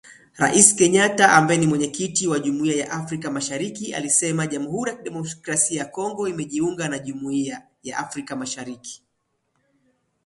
Rais Kenyatta ambaye ni Mwenyekiti wa Jumuiya ya Afrika Mashariki alisema Jamhuri ya Kidemokrasia ya Kongo imejiunga na Jumuiya ya Afrika Mashariki.